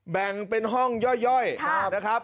แบ่งเป็นห้องย่อยนะครับ